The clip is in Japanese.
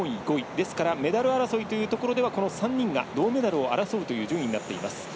ですからメダル争いというところではこの３人が銅メダルを争うという順位になっています。